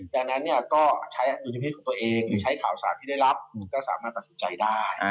ดังนั้นเนี่ยก็ใช้ดุลพิษของตัวเองหรือใช้ข่าวสารที่ได้รับก็สามารถตัดสินใจได้